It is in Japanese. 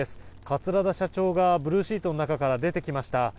桂田社長がブルーシートの中から出てきました。